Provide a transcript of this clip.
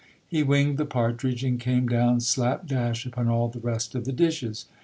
He winged the partridge, and came down slap dash upon all the rest of the dishes.